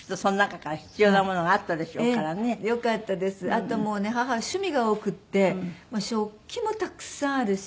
あともうね母は趣味が多くって食器もたくさんあるし。